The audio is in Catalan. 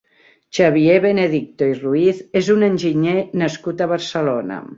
Xavier Benedicto i Ruiz és un enginyer nascut a Barcelona.